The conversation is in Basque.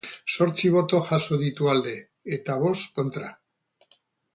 Zortzi boto jaso ditu alde, eta bost kontra.